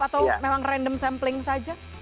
atau memang random sampling saja